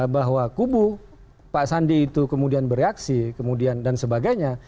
bahwa kubu pak sandi itu kemudian bereaksi kemudian dan sebagainya